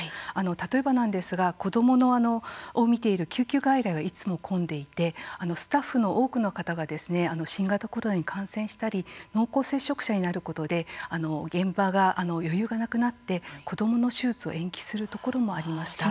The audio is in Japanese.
例えばなんですが子どもを診ている救急外来はいつも混んでいてスタッフの多くの方が新型コロナに感染したり濃厚接触者になることで現場が余裕がなくなって子どもの手術を深刻ですね。